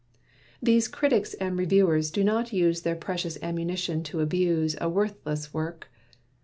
These critics and reviewers do not use Their precious ammunition to abuse A worthless work.